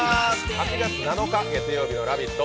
８月７日月曜日の「ラヴィット！」